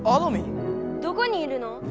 どこにいるの？